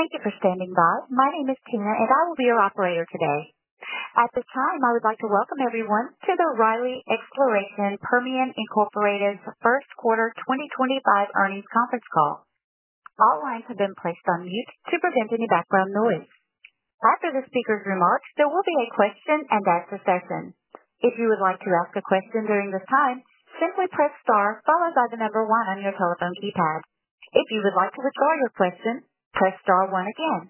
Thank you for standing by. My name is Tina, and I will be your operator today. At this time, I would like to welcome everyone to the Riley Exploration Permian's first quarter 2025 earnings conference call. All lines have been placed on mute to prevent any background noise. After the speaker's remarks, there will be a question-and-answer session. If you would like to ask a question during this time, simply press star followed by the number one on your telephone keypad. If you would like to withdraw your question, press star one again.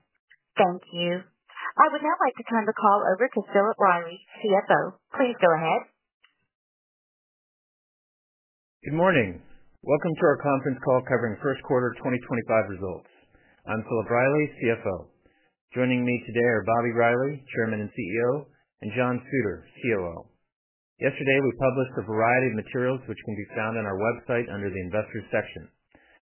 Thank you. I would now like to turn the call over to Philip Riley, CFO. Please go ahead. Good morning. Welcome to our conference call covering first quarter 2025 results. I'm Philip Riley, CFO. Joining me today are Bobby Riley, Chairman and CEO, and John Suter, COO. Yesterday, we published a variety of materials which can be found on our website under the investors' section.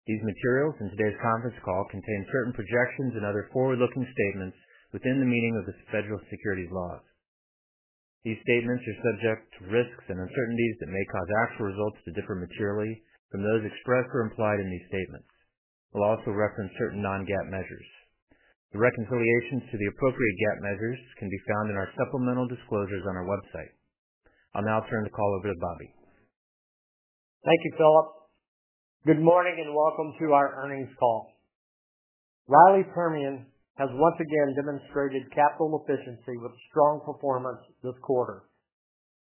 These materials and today's conference call contain certain projections and other forward-looking statements within the meaning of the federal securities laws. These statements are subject to risks and uncertainties that may cause actual results to differ materially from those expressed or implied in these statements. We'll also reference certain non-GAAP measures. The reconciliations to the appropriate GAAP measures can be found in our supplemental disclosures on our website. I'll now turn the call over to Bobby. Thank you, Philip. Good morning and welcome to our earnings call. Riley Permian has once again demonstrated capital efficiency with strong performance this quarter.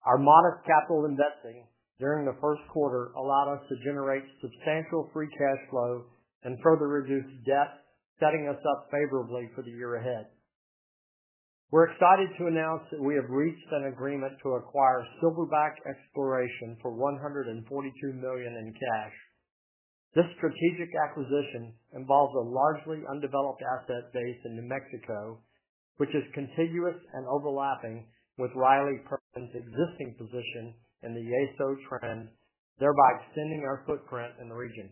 Our modest capital investing during the first quarter allowed us to generate substantial free cash flow and further reduce debt, setting us up favorably for the year ahead. We're excited to announce that we have reached an agreement to acquire Silverback Exploration for $142 million in cash. This strategic acquisition involves a largely undeveloped asset base in New Mexico, which is contiguous and overlapping with Riley Permian's existing position in the Yeso Trend, thereby extending our footprint in the region.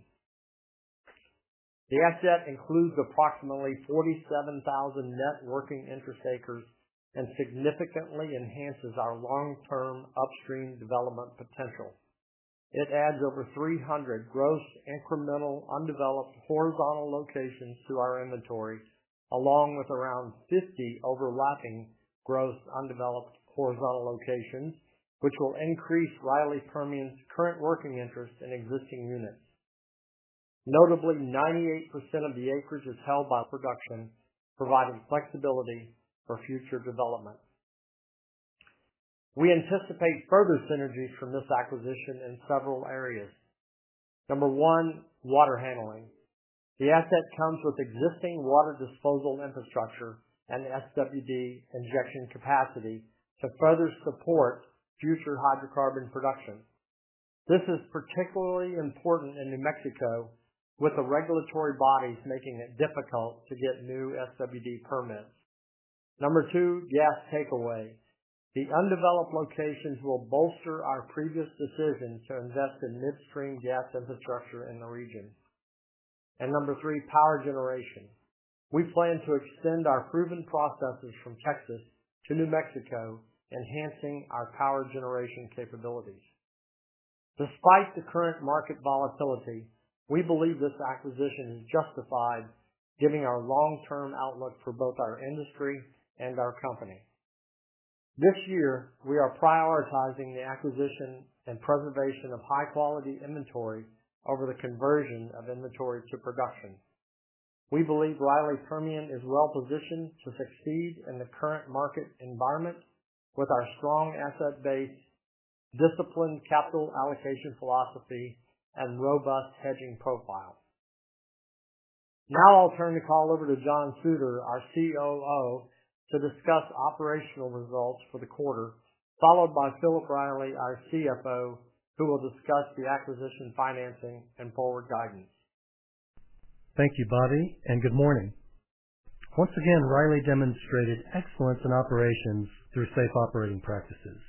The asset includes approximately 47,000 net working interest acres and significantly enhances our long-term upstream development potential. It adds over 300 gross incremental undeveloped horizontal locations to our inventory, along with around 50 overlapping gross undeveloped horizontal locations, which will increase Riley Permian's current working interest in existing units. Notably, 98% of the acreage is held by production, providing flexibility for future development. We anticipate further synergies from this acquisition in several areas. Number one, water handling. The asset comes with existing water disposal infrastructure and SWD injection capacity to further support future hydrocarbon production. This is particularly important in New Mexico, with the regulatory bodies making it difficult to get new SWD permits. Number two, gas takeaway. The undeveloped locations will bolster our previous decision to invest in midstream gas infrastructure in the region. Number three, power generation. We plan to extend our proven processes from Texas to New Mexico, enhancing our power generation capabilities. Despite the current market volatility, we believe this acquisition is justified, given our long-term outlook for both our industry and our company. This year, we are prioritizing the acquisition and preservation of high-quality inventory over the conversion of inventory to production. We believe Riley Permian is well-positioned to succeed in the current market environment with our strong asset base, disciplined capital allocation philosophy, and robust hedging profile. Now I'll turn the call over to John Suter, our COO, to discuss operational results for the quarter, followed by Philip Riley, our CFO, who will discuss the acquisition financing and forward guidance. Thank you, Bobby, and good morning. Once again, Riley demonstrated excellence in operations through safe operating practices.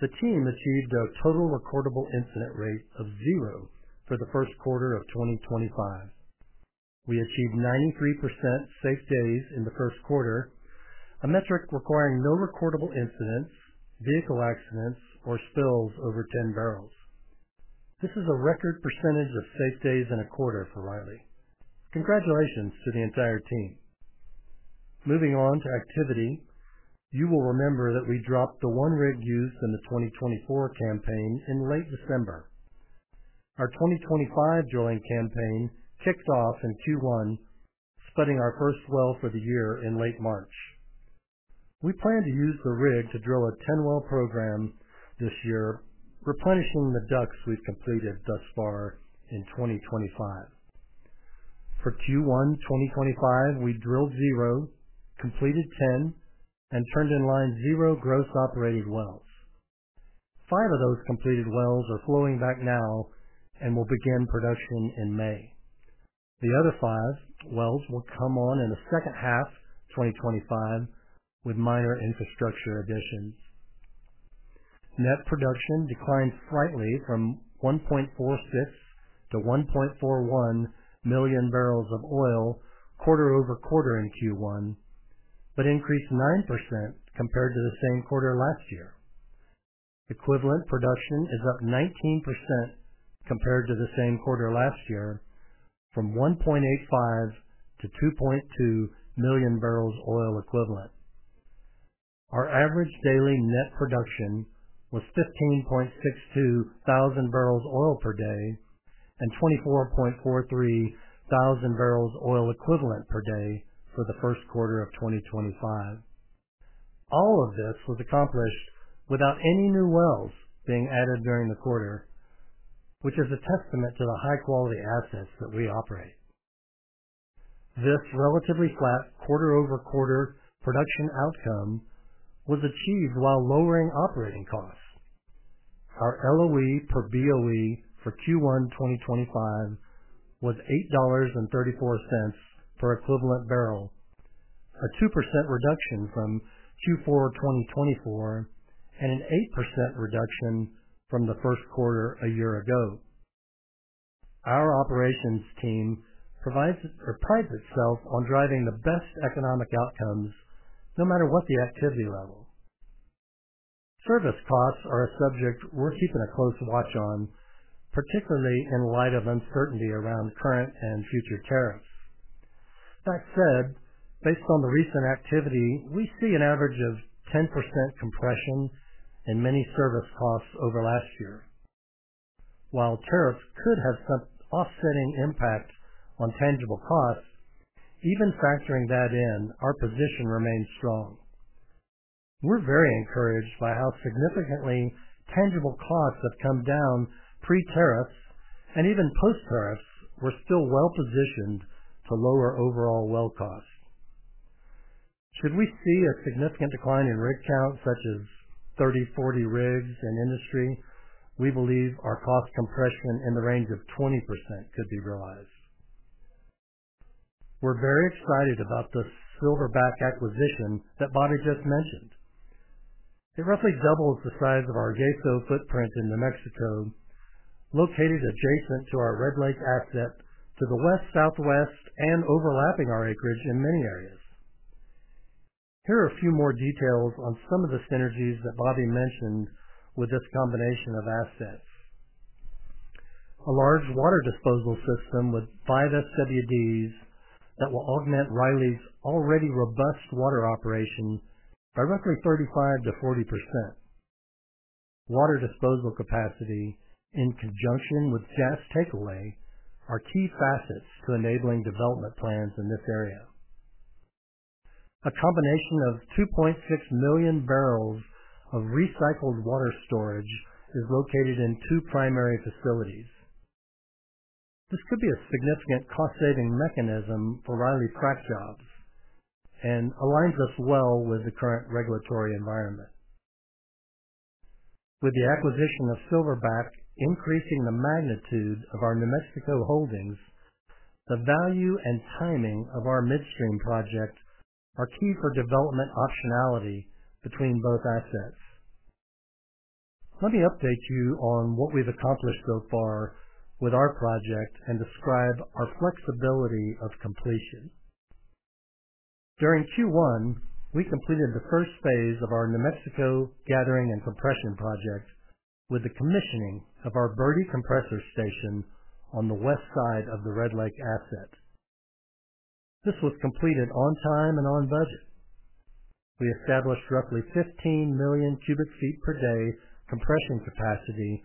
The team achieved a total recordable incident rate of zero for the first quarter of 2025. We achieved 93% safe days in the first quarter, a metric requiring no recordable incidents, vehicle accidents, or spills over 10 barrels. This is a record percentage of safe days in a quarter for Riley. Congratulations to the entire team. Moving on to activity, you will remember that we dropped the one rig use in the 2024 campaign in late December. Our 2025 drilling campaign kicked off in Q1, spreading our first well for the year in late March. We plan to use the rig to drill a 10-well program this year, replenishing the ducts we have completed thus far in 2025. For Q1 2025, we drilled zero, completed 10, and turned in line zero gross operated wells. Five of those completed wells are flowing back now and will begin production in May. The other five wells will come on in the second half of 2025 with minor infrastructure additions. Net production declined slightly from 1.46 to 1.41 million barrels of oil quarter-over-quarter in Q1, but increased 9% compared to the same quarter last year. Equivalent production is up 19% compared to the same quarter last year, from 1.85 to 2.2 million barrels oil equivalent. Our average daily net production was 15.62 thousand barrels oil per day and 24.43 thousand barrels oil equivalent per day for the first quarter of 2025. All of this was accomplished without any new wells being added during the quarter, which is a testament to the high-quality assets that we operate. This relatively flat quarter-over-quarter production outcome was achieved while lowering operating costs. Our LOE per BOE for Q1 2025 was $8.34 per equivalent barrel, a 2% reduction from Q4 2024 and an 8% reduction from the first quarter a year ago. Our operations team prides itself on driving the best economic outcomes, no matter what the activity level. Service costs are a subject we're keeping a close watch on, particularly in light of uncertainty around current and future tariffs. That said, based on the recent activity, we see an average of 10% compression in many service costs over last year. While tariffs could have some offsetting impact on tangible costs, even factoring that in, our position remains strong. We're very encouraged by how significantly tangible costs have come down pre-tariffs and even post-tariffs. We're still well-positioned to lower overall well costs. Should we see a significant decline in rig count, such as 30-40 rigs in industry, we believe our cost compression in the range of 20% could be realized. We're very excited about the Silverback acquisition that Bobby just mentioned. It roughly doubles the size of our Yeso footprint in New Mexico, located adjacent to our Red Lake asset to the west-southwest and overlapping our acreage in many areas. Here are a few more details on some of the synergies that Bobby mentioned with this combination of assets: a large water disposal system with five SWDs that will augment Riley's already robust water operation by roughly 35%-40%. Water disposal capacity, in conjunction with gas takeaway, are key facets to enabling development plans in this area. A combination of 2.6 million barrels of recycled water storage is located in two primary facilities. This could be a significant cost-saving mechanism for Riley and aligns us well with the current regulatory environment. With the acquisition of Silverback, increasing the magnitude of our New Mexico holdings, the value and timing of our midstream project are key for development optionality between both assets. Let me update you on what we've accomplished so far with our project and describe our flexibility of completion. During Q1, we completed the first phase of our New Mexico gathering and compression project with the commissioning of our Birdie Compressor Station on the west side of the Red Lake asset. This was completed on time and on budget. We established roughly 15 million cubic feet per day compression capacity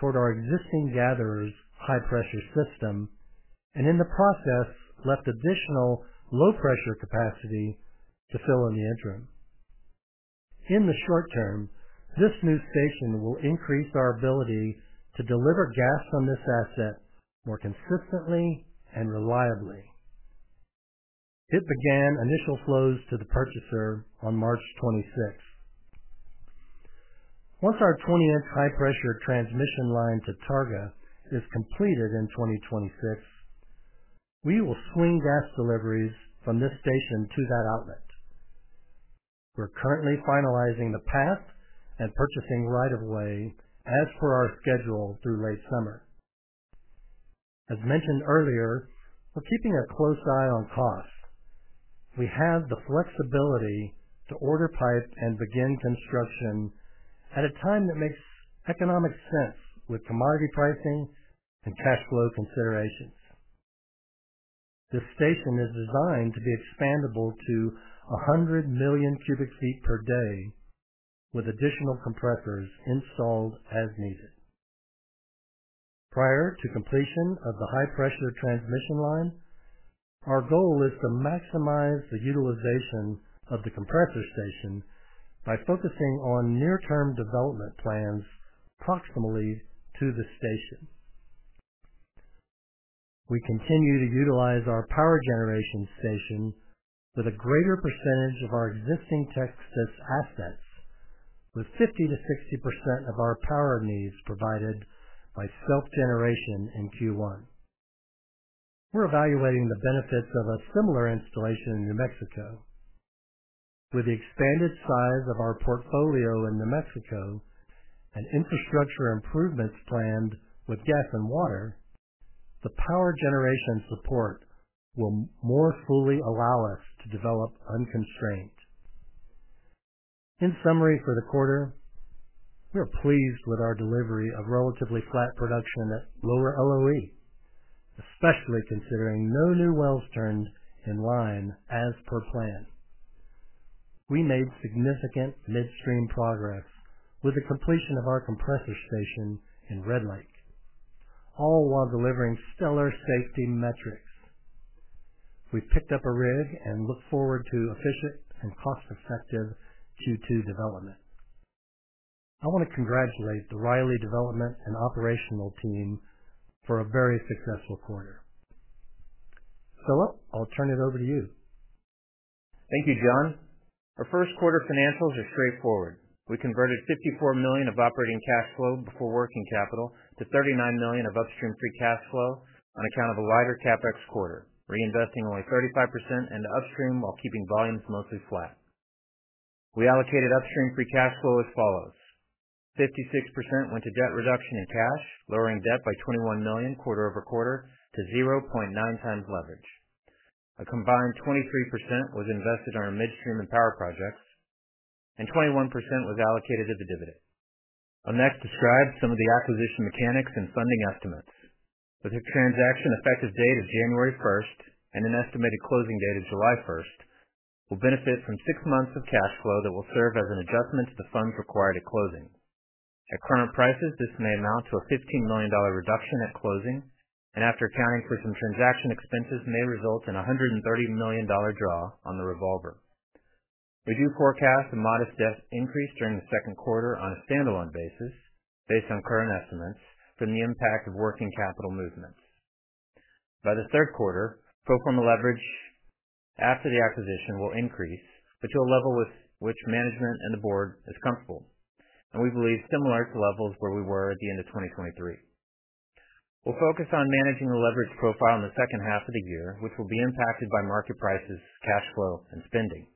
toward our existing gatherer's high-pressure system and, in the process, left additional low-pressure capacity to fill in the interim. In the short term, this new station will increase our ability to deliver gas from this asset more consistently and reliably. It began initial flows to the purchaser on March 26. Once our 20-inch high-pressure transmission line to Targa is completed in 2026, we will swing gas deliveries from this station to that outlet. We're currently finalizing the path and purchasing right of way as per our schedule through late summer. As mentioned earlier, we're keeping a close eye on costs. We have the flexibility to order pipe and begin construction at a time that makes economic sense with commodity pricing and cash flow considerations. This station is designed to be expandable to 100 million cubic feet per day, with additional compressors installed as needed. Prior to completion of the high-pressure transmission line, our goal is to maximize the utilization of the compressor station by focusing on near-term development plans proximally to the station. We continue to utilize our power generation station with a greater percentage of our existing Texas assets, with 50%-60% of our power needs provided by self-generation in Q1. We're evaluating the benefits of a similar installation in New Mexico. With the expanded size of our portfolio in New Mexico and infrastructure improvements planned with gas and water, the power generation support will more fully allow us to develop unconstrained. In summary for the quarter, we're pleased with our delivery of relatively flat production at lower LOE, especially considering no new wells turned in line as per plan. We made significant midstream progress with the completion of our compressor station in Red Lake, all while delivering stellar safety metrics. We've picked up a rig and look forward to efficient and cost-effective Q2 development. I want to congratulate the Riley Development and Operational Team for a very successful quarter. Philip, I'll turn it over to you. Thank you, John. Our first quarter financials are straightforward. We converted $54 million of operating cash flow before working capital to $39 million of upstream free cash flow on account of a wider CapEx quarter, reinvesting only 35% into upstream while keeping volumes mostly flat. We allocated upstream free cash flow as follows: 56% went to debt reduction in cash, lowering debt by $21 million quarter-over-quarter to 0.9 times leverage. A combined 23% was invested on our midstream and power projects, and 21% was allocated to the dividend. I'll next describe some of the acquisition mechanics and funding estimates. With the transaction effective date of January 1st and an estimated closing date of July 1st, we'll benefit from six months of cash flow that will serve as an adjustment to the funds required at closing. At current prices, this may amount to a $15 million reduction at closing, and after accounting for some transaction expenses, may result in a $130 million draw on the revolver. We do forecast a modest debt increase during the second quarter on a standalone basis, based on current estimates from the impact of working capital movements. By the third quarter, pro forma leverage after the acquisition will increase to a level with which management and the board is comfortable, and we believe similar to levels where we were at the end of 2023. We'll focus on managing the leverage profile in the second half of the year, which will be impacted by market prices, cash flow, and spending.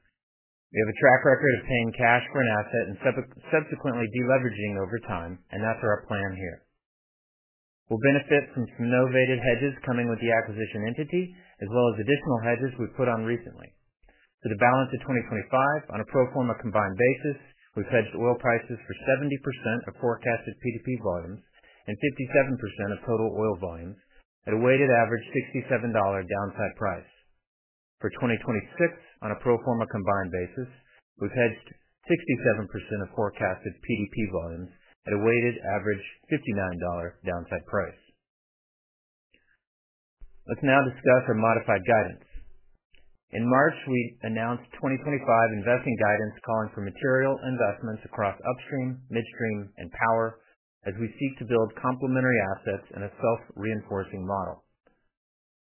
We have a track record of paying cash for an asset and subsequently deleveraging over time, and that's our plan here. We'll benefit from some novated hedges coming with the acquisition entity, as well as additional hedges we've put on recently. For the balance of 2025, on a pro forma combined basis, we've hedged oil prices for 70% of forecasted PDP volumes and 57% of total oil volumes at a weighted average $67 downside price. For 2026, on a pro forma combined basis, we've hedged 67% of forecasted PDP volumes at a weighted average $59 downside price. Let's now discuss our modified guidance. In March, we announced 2025 investing guidance calling for material investments across upstream, midstream, and power as we seek to build complementary assets in a self-reinforcing model.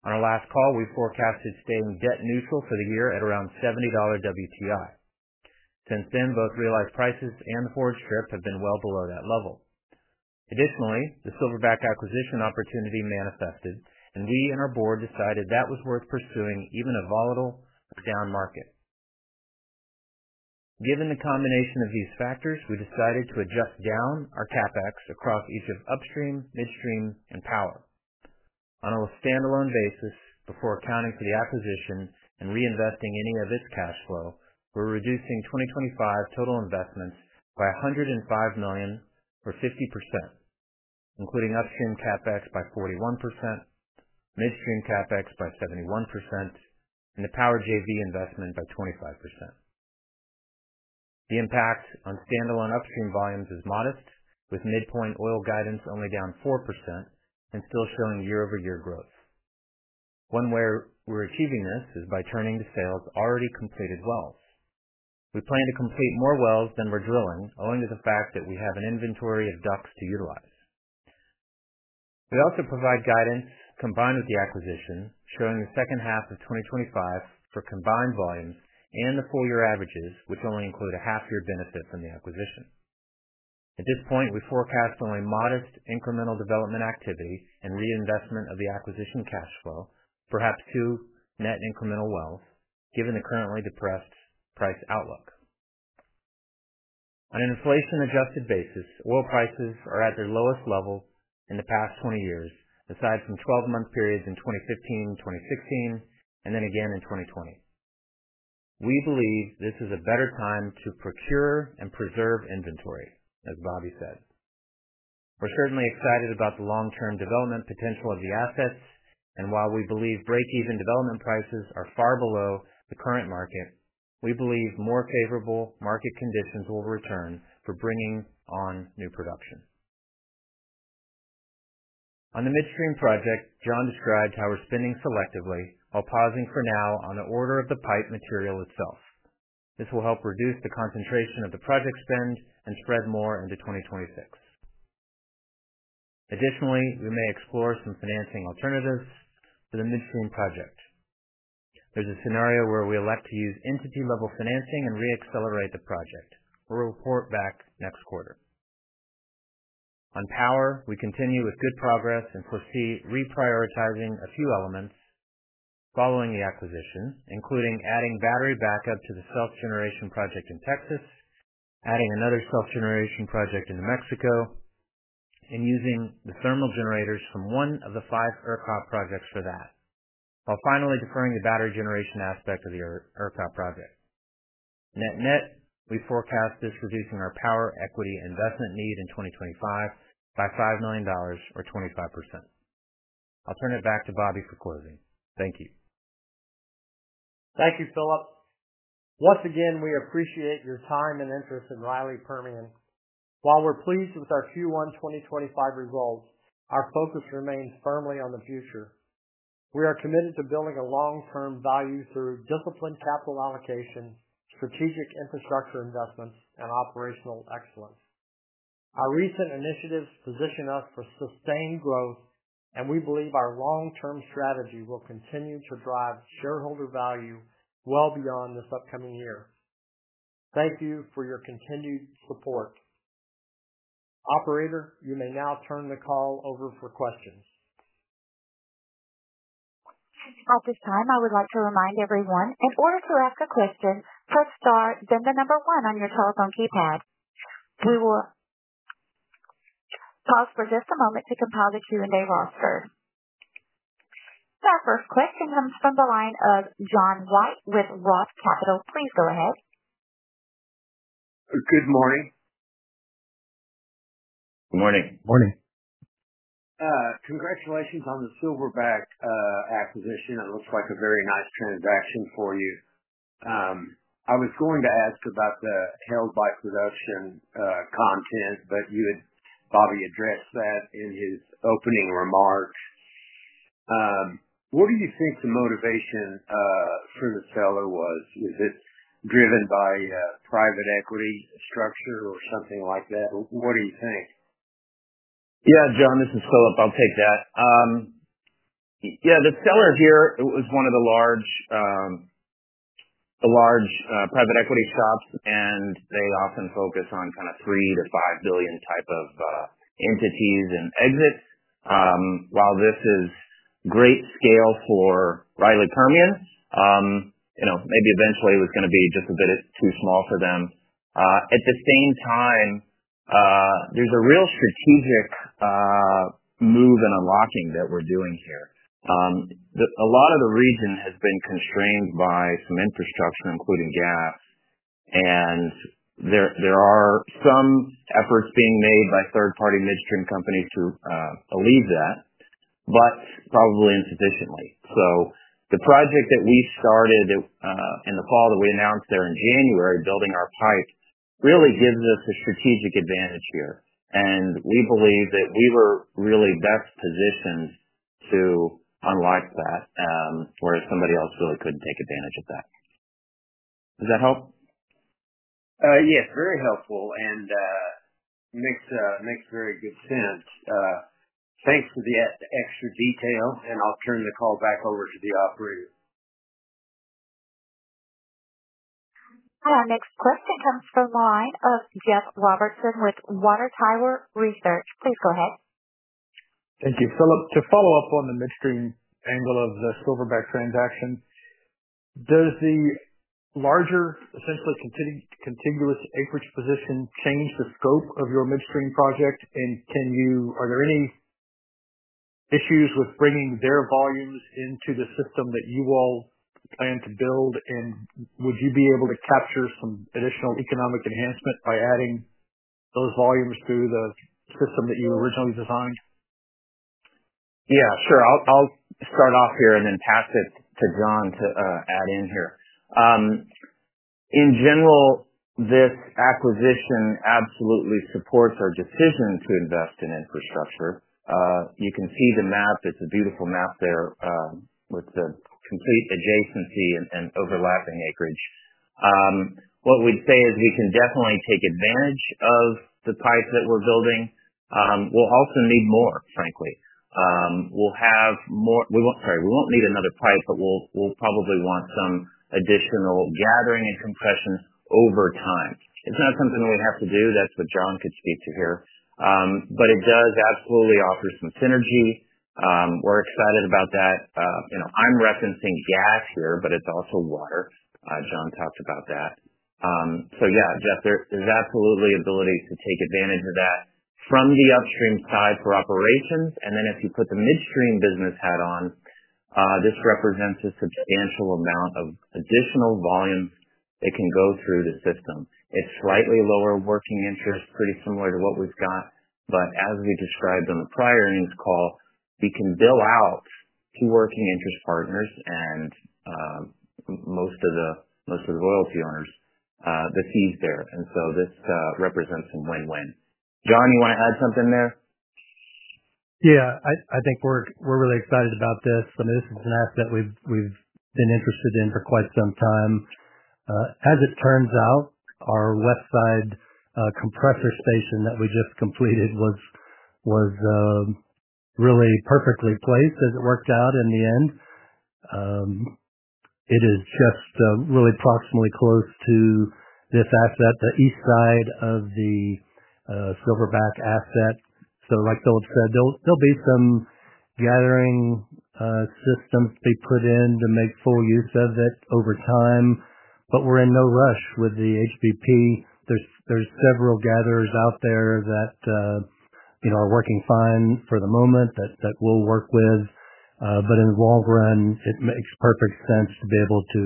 On our last call, we forecasted staying debt neutral for the year at around $70 WTI. Since then, both realized prices and the forward strip have been well below that level. Additionally, the Silverback acquisition opportunity manifested, and we and our board decided that was worth pursuing even in a volatile or down market. Given the combination of these factors, we decided to adjust down our CapEx across each of upstream, midstream, and power. On a standalone basis, before accounting for the acquisition and reinvesting any of its cash flow, we are reducing 2025 total investments by $105 million or 50%, including upstream CapEx by 41%, midstream CapEx by 71%, and the power JV investment by 25%. The impact on standalone upstream volumes is modest, with midpoint oil guidance only down 4% and still showing year-over-year growth. One way we are achieving this is by turning to sales of already completed wells. We plan to complete more wells than we are drilling, owing to the fact that we have an inventory of ducks to utilize. We also provide guidance combined with the acquisition, showing the second half of 2025 for combined volumes and the full-year averages, which only include a half-year benefit from the acquisition. At this point, we forecast only modest incremental development activity and reinvestment of the acquisition cash flow, perhaps two net incremental wells, given the currently depressed price outlook. On an inflation-adjusted basis, oil prices are at their lowest level in the past 20 years, aside from 12-month periods in 2015, 2016, and then again in 2020. We believe this is a better time to procure and preserve inventory, as Bobby said. We are certainly excited about the long-term development potential of the assets, and while we believe break-even development prices are far below the current market, we believe more favorable market conditions will return for bringing on new production. On the midstream project, John described how we're spending selectively while pausing for now on the order of the pipe material itself. This will help reduce the concentration of the project spend and spread more into 2026. Additionally, we may explore some financing alternatives for the midstream project. There's a scenario where we elect to use entity-level financing and re-accelerate the project. We'll report back next quarter. On power, we continue with good progress and foresee reprioritizing a few elements following the acquisition, including adding battery backup to the self-generation project in Texas, adding another self-generation project in New Mexico, and using the thermal generators from one of the five ERCOT projects for that, while finally deferring the battery generation aspect of the ERCOT project. Net-net, we forecast this reducing our power equity investment need in 2025 by $5 million or 25%. I'll turn it back to Bobby for closing. Thank you. Thank you, Philip. Once again, we appreciate your time and interest in Riley Permian. While we're pleased with our Q1 2025 results, our focus remains firmly on the future. We are committed to building long-term value through disciplined capital allocation, strategic infrastructure investments, and operational excellence. Our recent initiatives position us for sustained growth, and we believe our long-term strategy will continue to drive shareholder value well beyond this upcoming year. Thank you for your continued support. Operator, you may now turn the call over for questions. At this time, I would like to remind everyone, in order to ask a question, press star, then the number one on your telephone keypad. We will pause for just a moment to compile the Q&A roster. Our first question comes from the line of John White with ROTH Capital. Please go ahead. Good morning. Good morning. Morning. Congratulations on the Silverback acquisition. It looks like a very nice transaction for you. I was going to ask about the held-by-production content, but you had, Bobby, addressed that in his opening remarks. What do you think the motivation for the seller was? Was it driven by private equity structure or something like that? What do you think? Yeah, John, this is Philip. I'll take that. Yeah, the seller here was one of the large private equity shops, and they often focus on kind of $3 billion-$5 billion type of entities and exits. While this is great scale for Riley Permian, maybe eventually it was going to be just a bit too small for them. At the same time, there's a real strategic move and unlocking that we're doing here. A lot of the region has been constrained by some infrastructure, including gas, and there are some efforts being made by third-party midstream companies to alleviate that, but probably insufficiently. The project that we started in the fall that we announced there in January, building our pipe, really gives us a strategic advantage here, and we believe that we were really best positioned to unlock that, whereas somebody else really couldn't take advantage of that. Does that help? Yes, very helpful, and makes very good sense. Thanks for the extra detail, and I'll turn the call back over to the operator. Our next question comes from the line of Jeff Robertson with Water Tower Research. Please go ahead. Thank you, Philip. To follow up on the midstream angle of the Silverback transaction, does the larger, essentially contiguous acreage position change the scope of your midstream project, and are there any issues with bringing their volumes into the system that you all plan to build, and would you be able to capture some additional economic enhancement by adding those volumes through the system that you originally designed? Yeah, sure. I'll start off here and then pass it to John to add in here. In general, this acquisition absolutely supports our decision to invest in infrastructure. You can see the map. It's a beautiful map there with the complete adjacency and overlapping acreage. What we'd say is we can definitely take advantage of the pipe that we're building. We'll also need more, frankly. We won't need another pipe, but we'll probably want some additional gathering and compression over time. It's not something we have to do. That's what John could speak to here. It does absolutely offer some synergy. We're excited about that. I'm referencing gas here, but it's also water. John talked about that. Yeah, Jeff, there's absolutely the ability to take advantage of that from the upstream side for operations, and then if you put the midstream business hat on, this represents a substantial amount of additional volume that can go through the system. It's slightly lower working interest, pretty similar to what we've got, but as we described on the prior earnings call, we can bill out to working interest partners and most of the royalty owners the fees there. This represents some win-win. John, you want to add something there? Yeah, I think we're really excited about this. I mean, this is an asset we've been interested in for quite some time. As it turns out, our west side compressor station that we just completed was really perfectly placed as it worked out in the end. It is just really proximately close to this asset, the east side of the Silverback asset. Like Philip said, there'll be some gathering systems to be put in to make full use of it over time, but we're in no rush with the HBP. There are several gatherers out there that are working fine for the moment that we'll work with, but in the long run, it makes perfect sense to be able to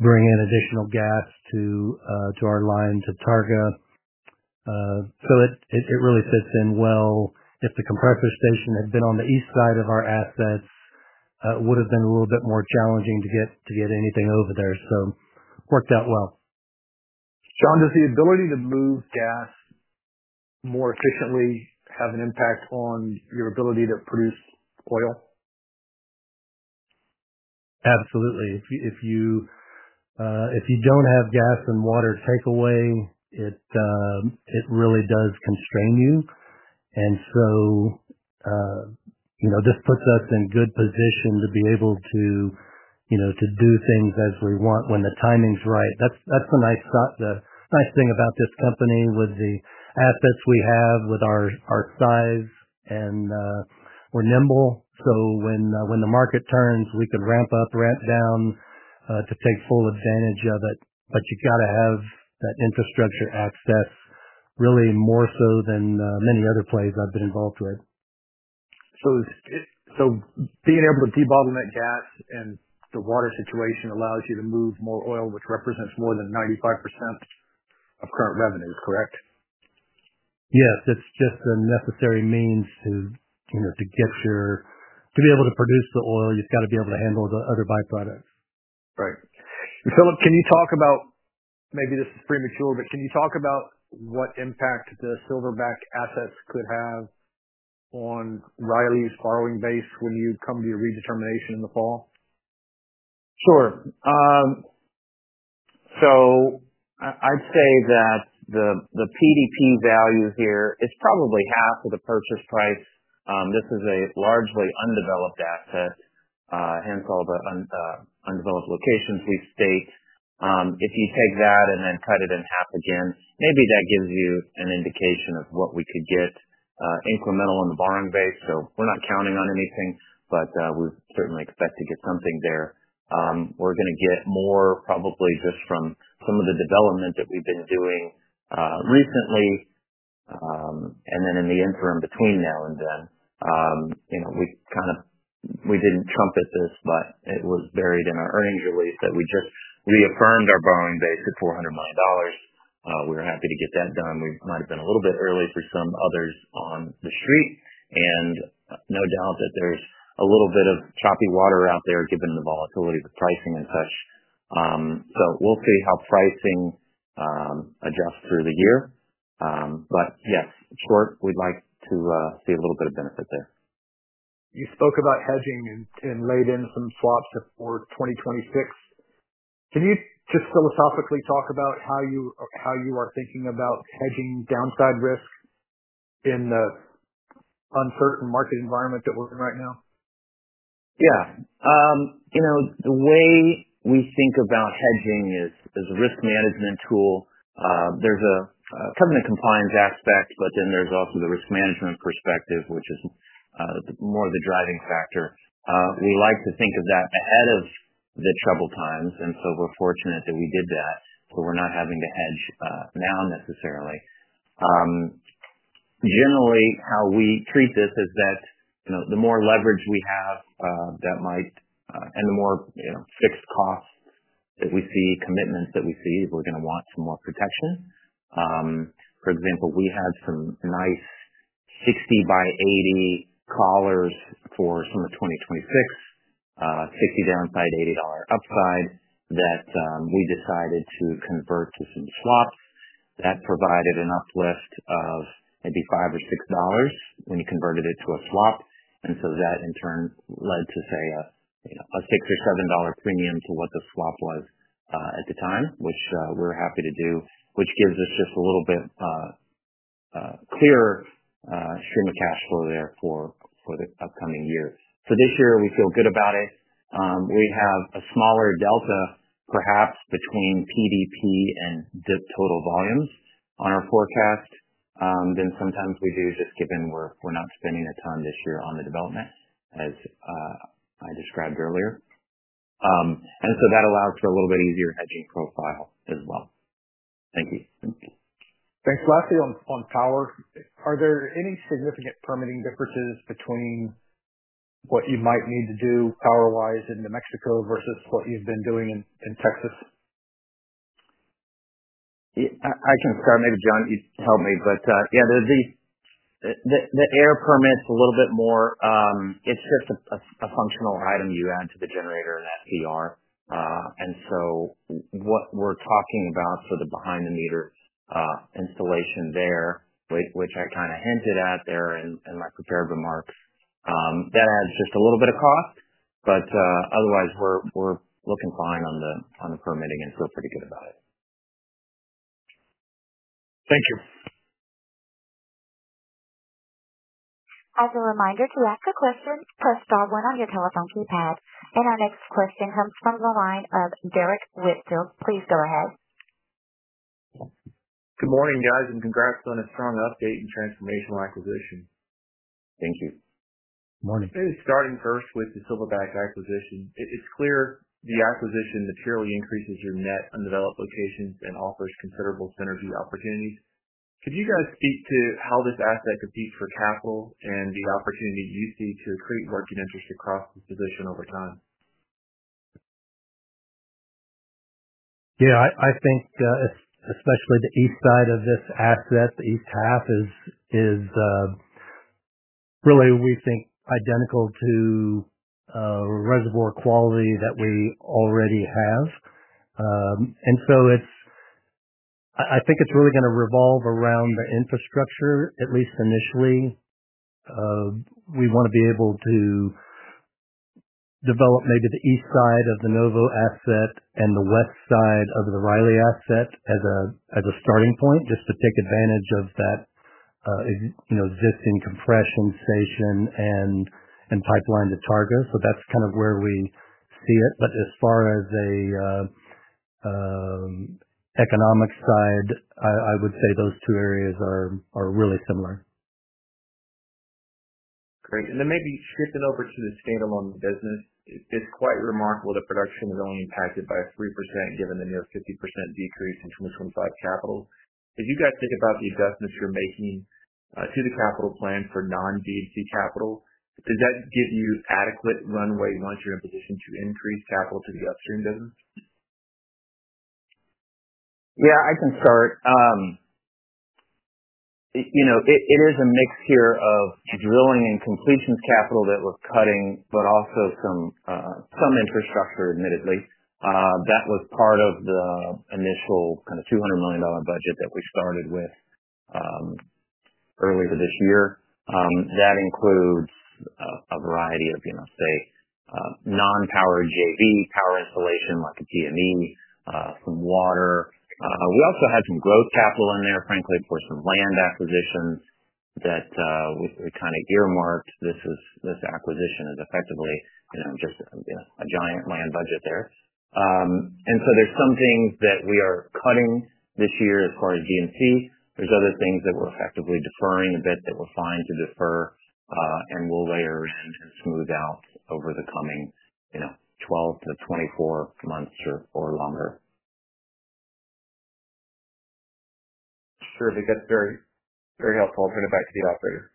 bring in additional gas to our line to Targa. It really fits in well. If the compressor station had been on the east side of our assets, it would have been a little bit more challenging to get anything over there. It worked out well. John, does the ability to move gas more efficiently have an impact on your ability to produce oil? Absolutely. If you do not have gas and water takeaway, it really does constrain you. This puts us in good position to be able to do things as we want when the timing is right. That is the nice thing about this company with the assets we have, with our size, and we are nimble. When the market turns, we can ramp up, ramp down to take full advantage of it, but you have to have that infrastructure access really more so than many other plays I have been involved with. Being able to debottle that gas and the water situation allows you to move more oil, which represents more than 95% of current revenues, correct? Yes, it's just the necessary means to get your—to be able to produce the oil, you've got to be able to handle the other byproducts. Right. Philip, can you talk about—maybe this is premature, but can you talk about what impact the Silverback assets could have on Riley's borrowing base when you come to your redetermination in the fall? Sure. I'd say that the PDP value here is probably half of the purchase price. This is a largely undeveloped asset, hence all the undeveloped locations we state. If you take that and then cut it in half again, maybe that gives you an indication of what we could get incremental in the borrowing base. We're not counting on anything, but we certainly expect to get something there. We're going to get more probably just from some of the development that we've been doing recently, and then in the interim between now and then. We kind of—we didn't trumpet this, but it was buried in our earnings release that we just reaffirmed our borrowing base at $400 million. We were happy to get that done. We might have been a little bit early for some others on the street, and no doubt that there's a little bit of choppy water out there given the volatility of the pricing and such. We will see how pricing adjusts through the year, but yes, short, we'd like to see a little bit of benefit there. You spoke about hedging and laid in some swaps for 2026. Can you just philosophically talk about how you are thinking about hedging downside risk in the uncertain market environment that we're in right now? Yeah. The way we think about hedging is a risk management tool. There's a covenant compliance aspect, but then there's also the risk management perspective, which is more of the driving factor. We like to think of that ahead of the trouble times, and so we're fortunate that we did that, so we're not having to hedge now necessarily. Generally, how we treat this is that the more leverage we have that might—and the more fixed costs that we see, commitments that we see, we're going to want some more protection. For example, we had some nice $60 by $80 collars for some of the 2026, $60 downside, $80 upside that we decided to convert to some swaps. That provided an uplift of maybe five or six dollars when you converted it to a swap, and that in turn led to, say, a six or seven dollar premium to what the swap was at the time, which we're happy to do, which gives us just a little bit clearer stream of cash flow there for the upcoming year. This year, we feel good about it. We have a smaller delta perhaps between PDP and total volumes on our forecast than sometimes we do just given we're not spending a ton this year on the development, as I described earlier. That allows for a little bit easier hedging profile as well. Thank you. Thanks. Lastly, on power, are there any significant permitting differences between what you might need to do power-wise in New Mexico versus what you've been doing in Texas? I can start. Maybe John, you help me. Yeah, the air permit is a little bit more—it is just a functional item you add to the generator and SPR. What we are talking about for the behind-the-meter installation there, which I kind of hinted at in my prepared remarks, adds just a little bit of cost, but otherwise, we are looking fine on the permitting, and we are pretty good about it. Thank you. As a reminder to ask a question, press star one on your telephone keypad. Our next question comes from the line of Derrick Whitfield. Please go ahead. Good morning, guys, and congrats on a strong update and transformational acquisition. Thank you. Morning. Starting first with the Silverback acquisition, it's clear the acquisition materially increases your net undeveloped locations and offers considerable synergy opportunities. Could you guys speak to how this asset competes for capital and the opportunity you see to accrete working interest across the position over time? Yeah, I think especially the east side of this asset, the east half, is really, we think, identical to reservoir quality that we already have. I think it's really going to revolve around the infrastructure, at least initially. We want to be able to develop maybe the east side of the Novo asset and the west side of the Riley asset as a starting point just to take advantage of that existing compression station and pipeline to Targa. That's kind of where we see it. As far as the economic side, I would say those two areas are really similar. Great. Maybe shifting over to the state-alone business, it's quite remarkable that production is only impacted by 3% given the near 50% decrease in 2025 capital. If you guys think about the adjustments you're making to the capital plan for non-DDC capital, does that give you adequate runway once you're in a position to increase capital to the upstream business? Yeah, I can start. It is a mix here of drilling and completions capital that we're cutting, but also some infrastructure, admittedly. That was part of the initial kind of $200 million budget that we started with earlier this year. That includes a variety of, say, non-powered JV power installation like a PME, some water. We also had some growth capital in there, frankly, for some land acquisitions that we kind of earmarked. This acquisition is effectively just a giant land budget there. There are some things that we are cutting this year as far as DMC. There are other things that we're effectively deferring a bit that we're fine to defer, and we'll layer in and smooth out over the coming 12-24 months or longer. Sure. If it gets very helpful, I'll turn it back to the operator.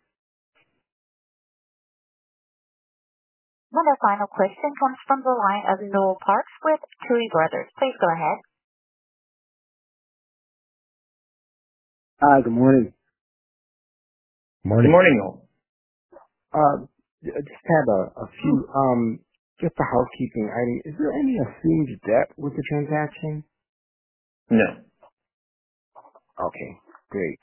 One more final question comes from the line of Noel Parks with Tuohy Brothers. Please go ahead. Hi, good morning. Morning. Good morning, Noel. Just have a few, just the housekeeping items. Is there any assumed debt with the transaction? Yeah. Okay. Great.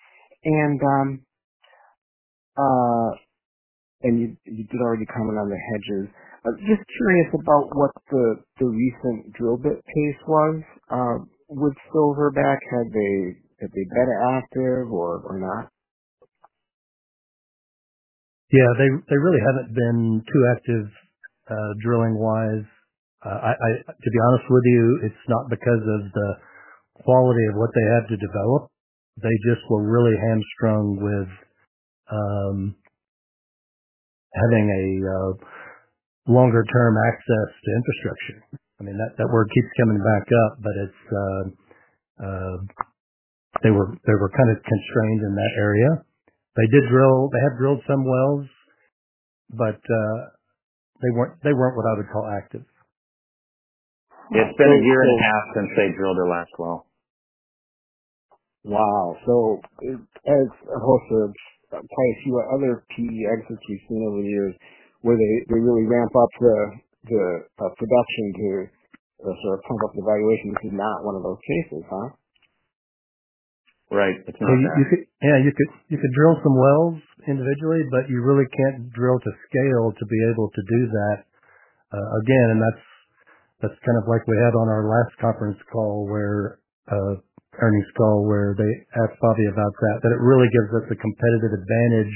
You did already comment on the hedges. Just curious about what the recent drill bit pace was with Silverback. Have they been active or not? Yeah, they really have not been too active drilling-wise. To be honest with you, it is not because of the quality of what they had to develop. They just were really hamstrung with having a longer-term access to infrastructure. I mean, that word keeps coming back up, but they were kind of constrained in that area. They had drilled some wells, but they were not what I would call active. It's been a year and a half since they drilled their last well. Wow. As a host of quite a few other PE exits we've seen over the years, where they really ramp up the production to sort of pump up the valuation, this is not one of those cases, huh? Right. It's not that. Yeah, you could drill some wells individually, but you really can't drill to scale to be able to do that again. That is kind of like we had on our last conference call, earnings call, where they asked Bobby about that, that it really gives us a competitive advantage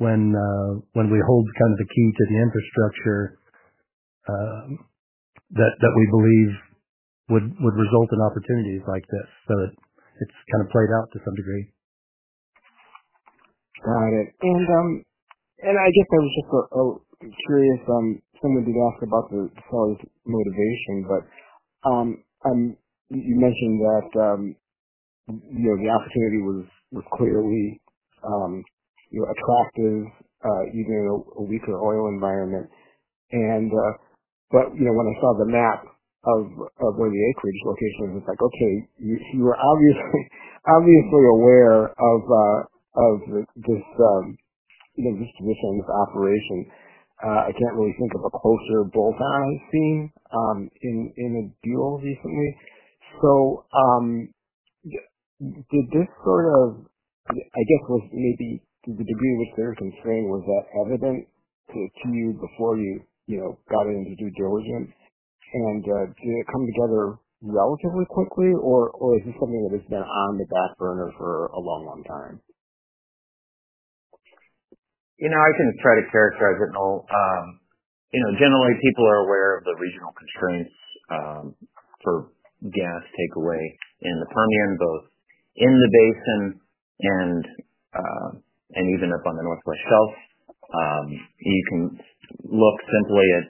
when we hold kind of the key to the infrastructure that we believe would result in opportunities like this. It has kind of played out to some degree. Got it. I guess I was just curious. Someone did ask about the seller's motivation, but you mentioned that the opportunity was clearly attractive even in a weaker oil environment. When I saw the map of one of the acreage locations, it is like, okay, you were obviously aware of this position. This operation. I can't really think of a closer bullseye I have seen in a deal recently. Did this sort of, I guess, was maybe the degree to which they were constrained, was that evident to you before you got in to do diligence? Did it come together relatively quickly, or is this something that has been on the back burner for a long, long time? I can try to characterize it, Noel. Generally, people are aware of the regional constraints for gas takeaway in the Permian, both in the basin and even up on the Northwest Shelf. You can look simply at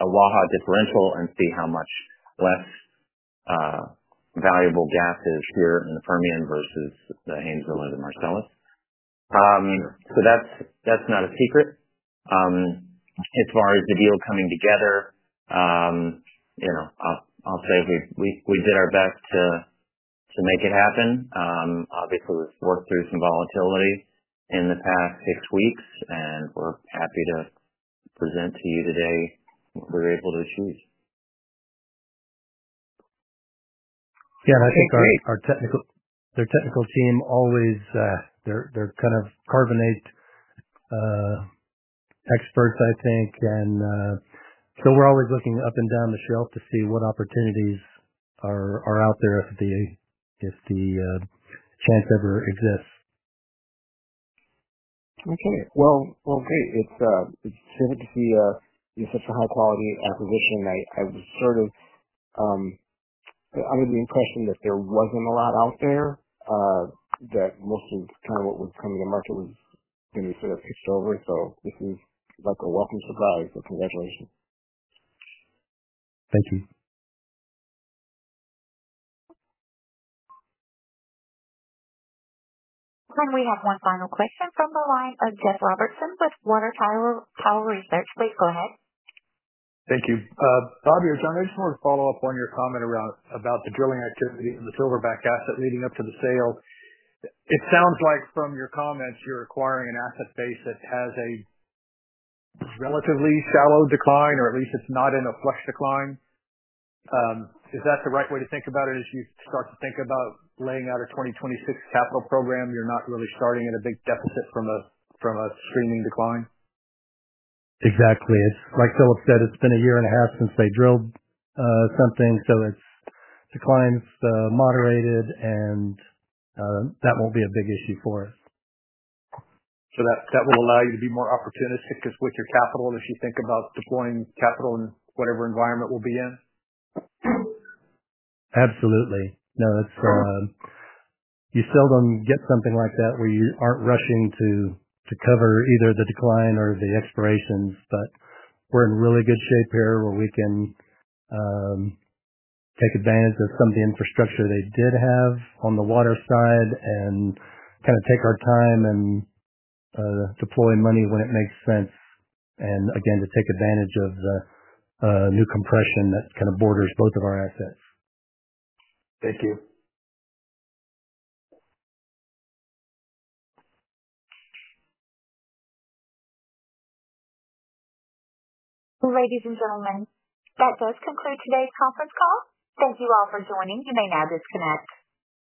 a Waha differential and see how much less valuable gas is here in the Permian versus the Haynesville and the Marcellus. That is not a secret. As far as the deal coming together, I'll say we did our best to make it happen. Obviously, we've worked through some volatility in the past six weeks, and we're happy to present to you today what we were able to achieve. Yeah, and I think our technical team always, they're kind of carbonate experts, I think. And so we're always looking up and down the shelf to see what opportunities are out there if the chance ever exists. Okay. Great. It's interesting to see such a high-quality acquisition. I was sort of under the impression that there wasn't a lot out there, that most of kind of what was coming to market was going to be sort of pitched over. This is like a welcome surprise. Congratulations. Thank you. We have one final question from the line of Jeff Robertson with Water Tower Research. Please go ahead. Thank you. Bobby or John, I just want to follow up on your comment about the drilling activity and the Silverback asset leading up to the sale. It sounds like from your comments, you're acquiring an asset base that has a relatively shallow decline, or at least it's not in a flush decline. Is that the right way to think about it as you start to think about laying out a 2026 capital program? You're not really starting at a big deficit from a screaming decline? Exactly. It's like Philip said, it's been a year and a half since they drilled something, so its declines moderated, and that won't be a big issue for us. That will allow you to be more opportunistic with your capital if you think about deploying capital in whatever environment we'll be in? Absolutely. No, you seldom get something like that where you are not rushing to cover either the decline or the expirations. We are in really good shape here where we can take advantage of some of the infrastructure they did have on the water side and kind of take our time and deploy money when it makes sense, and again, to take advantage of the new compression that kind of borders both of our assets. Thank you. Ladies and gentlemen, that does conclude today's conference call. Thank you all for joining. You may now disconnect.